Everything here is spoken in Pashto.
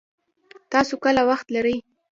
تاسو کله وخت لري